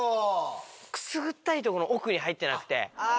くすぐったいとこの奥に入ってなくて。